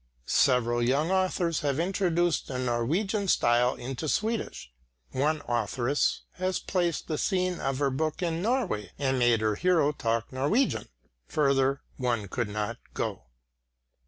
Several young authors have introduced the Norwegian style into Swedish; one authoress has placed the scene of her book in Norway, and made her hero talk Norwegian! Further one could not go!